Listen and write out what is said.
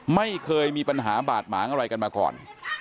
ไม่เคยมีปัญหาบาดหมางอะไรกันมาก่อน